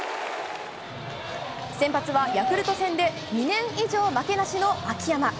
先発はヤクルト戦で２年以上負けなしの秋山。